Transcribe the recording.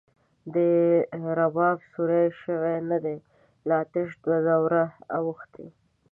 لا رباب سور شوی نه دی، لا تش دوه دوره او ښتی